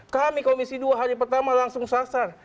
kami komisi dua hari pertama langsung sasar